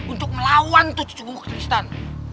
untuk melawan tuh cucung pakistan